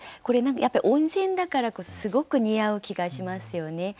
これやっぱり温泉だからこそすごく似合う気がしますよね。